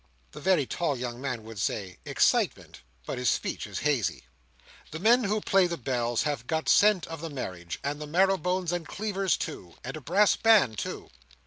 The very tall young man would say excitement, but his speech is hazy. The men who play the bells have got scent of the marriage; and the marrow bones and cleavers too; and a brass band too.